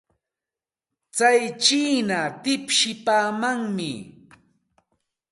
Tsay chiina tipsipaamanmi.